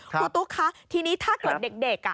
ครูตุ๊กคะทีนี้ถ้าเกิดเด็ก